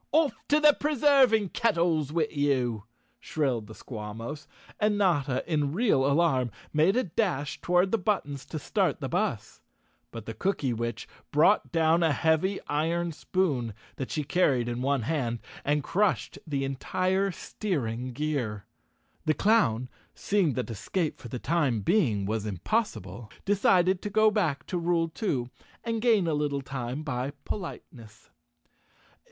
"Off to the preserving kettles with you!" shrilled the Squawmos, and Notta, in real alarm, made a dash toward the buttons to start the bus, but the Cooky¬ witch brought down a heavy iron spoon, that she car¬ ried in one hand, and crushed the entire steering gear. The clown, seeing that escape for the time being was impossible, decided to go back to rule two and gain a little time by politeness.